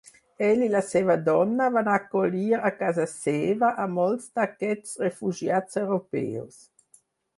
Ell i la seva dona van acollir a casa seva a molts d'aquests refugiats europeus.